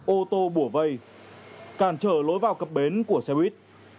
ô tô bủa vây cản trở lối vào cặp bến của xe buýt